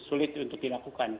sulit untuk dilakukan